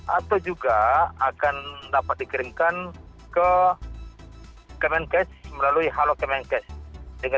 atau juga akan dapat dikirimkan ke kemenkes melalui halo kemenkes